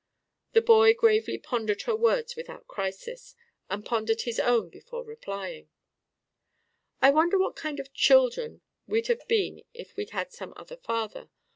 The boy gravely pondered her words about crisis, and pondered his own before replying: "I wonder what kind of children we'd have been if we'd had some other father.